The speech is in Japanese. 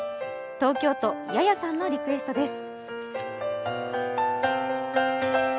東京都、ｙａｙａさんのリクエストです